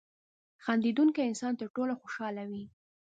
• خندېدونکی انسان تر ټولو خوشحاله وي.